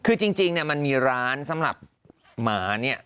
คือจริงมีร้านสำหรับหมาเนี่ย